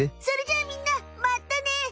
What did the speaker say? それじゃあみんなまたね。